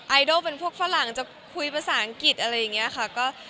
ไอดอลเป็นพวกฝรั่งจะคุยภาษาอังกฤษอะไรอย่างนี้ค่ะ